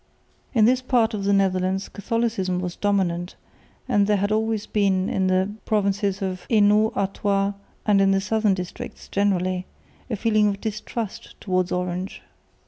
In this part of the Netherlands Catholicism was dominant; and there had always been in the provinces of Hainault, Artois, and in the southern districts generally, a feeling of distrust towards Orange.